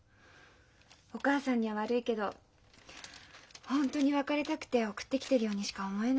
お母さんには悪いけど本当に別れたくて送ってきてるようにしか思えない。